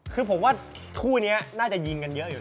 คือผมว่าคู่นี้น่าจะยิงกันเยอะอยู่